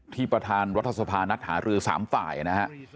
ประธานรัฐสภานัดหารือ๓ฝ่ายนะฮะ